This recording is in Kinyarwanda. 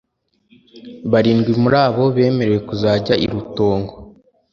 barindwi muri abo bemerewe kuzajya i rutongo